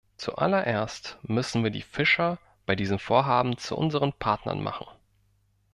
Zuallererst müssen wir die Fischer bei diesem Vorhaben zu unseren Partnern machen.